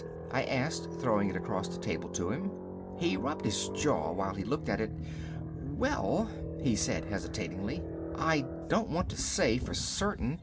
I asked, throwing it across the table to him. He rubbed his jaw while he looked at it. "Well," he said hesitatingly, "I don't want to say for certain.